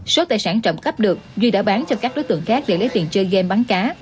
số tài sản trộm cắp được duy đã bán cho các đối tượng khác để lấy tiền chơi game bắn cá